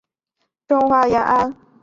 这一步会将铵盐转化成氨。